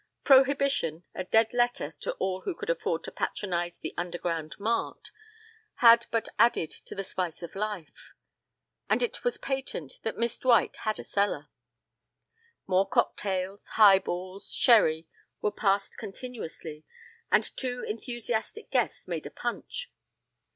Prohibition, a dead letter to all who could afford to patronize the underground mart, had but added to the spice of life, and it was patent that Miss Dwight had a cellar. More cocktails, highballs, sherry, were passed continuously, and two enthusiastic guests made a punch.